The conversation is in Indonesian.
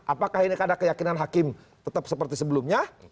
apakah ini kan ada keyakinan hakim tetap seperti sebelumnya